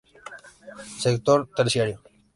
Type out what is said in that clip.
Sector Terciario.